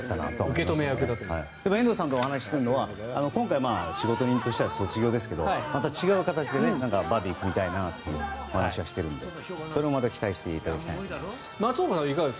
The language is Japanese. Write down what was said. でも遠藤さんとお話ししたのは仕事人としては卒業ですがまた違う形でバディを組みたいなというお話をしているのでそれも期待していただきたいなと思います。